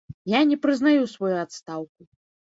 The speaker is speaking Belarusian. Я не прызнаю сваю адстаўку.